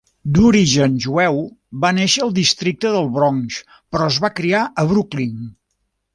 D'origen jueu, va néixer al districte del Bronx però es va criar a Brooklyn.